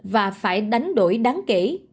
và phải đánh đổi đáng kể